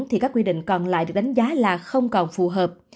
thì các quy định còn lại được đánh giá là không còn phù hợp